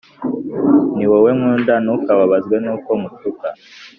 ni wowe nkunda ntukababazwe n’uko ngutuka